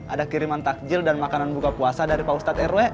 ada kiriman takjil dan makanan buka puasa dari pak ustadz rw